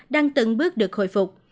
đang từng bước được hồi phục